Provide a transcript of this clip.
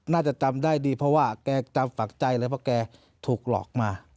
น่าจะจำได้ดีเพราะว่าแกจำฝักใจเลยเพราะแกถูกหลอกมา